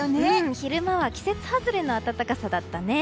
昼間は季節外れの暖かさだったね。